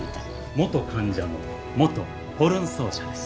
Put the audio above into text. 元患者の元ホルン奏者です。